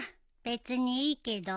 別にいいけど。